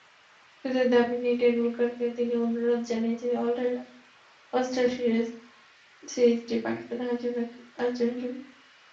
সতীর্থের দাবি নিয়েই টেন্ডুলকারকে তিনি অনুরোধ জানিয়েছেন অলস্টার সিরিজটি পাকিস্তানে আয়োজনের জন্য।